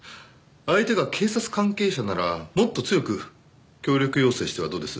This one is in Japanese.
相手が警察関係者ならもっと強く協力要請してはどうです？